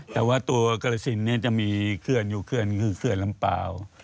แต่ว่าตัวกรสินจะมีเคลื่อนอยู่เคลื่อนคือเขื่อนลำเปล่า